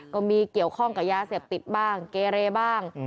ก็มีเกี่ยวข้องกับยาเสพติดบ้างเกเรบ้าง